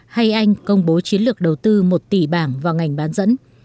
hay anh công bố chiến lược đầu tư một tỷ bảng vào ngành bán dẫn